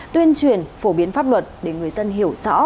tuyên truyền phổ biến pháp luật để người dân hiểu rõ